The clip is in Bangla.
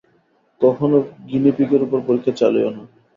কখনও গিনিপিগের ওপর পরীক্ষা চালিয়ো না।